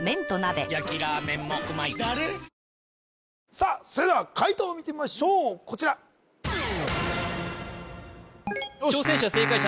さあそれでは解答を見てみましょうこちら挑戦者正解者